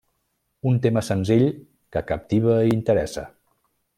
Un tema senzill que captiva i interessa.